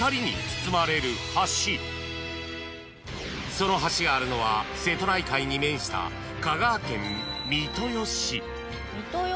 ［その橋があるのは瀬戸内海に面した香川県］